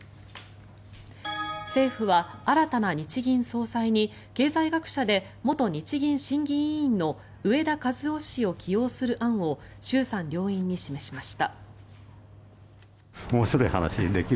政府は新たな日銀総裁に経済学者で元日銀審議委員の植田和男氏を起用する案を衆参両院に示しました。